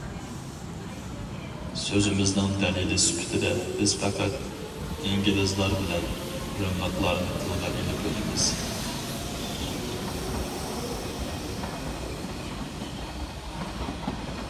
سۆزىمىزنىڭ دەلىلى سۈپىتىدە بىز پەقەت ئىنگلىزلار بىلەن رىملىقلارنى تىلغا ئېلىپ ئۆتىمىز.